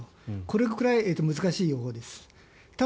これくらい難しい予報です。